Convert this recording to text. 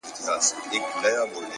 زحمت د استعداد ارزښت لوړوي،